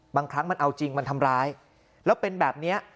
บางครั้งมันเอาจริงมันทำร้ายแล้วเป็นแบบนี้